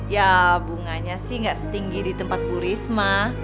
ya bunganya sih nggak setinggi di tempat bu risma